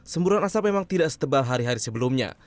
semburan asap memang tidak setebal hari hari sebelumnya